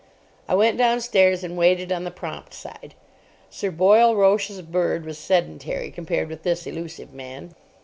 I went downstairs, and waited on the prompt side. Sir Boyle Roche's bird was sedentary compared with this elusive man.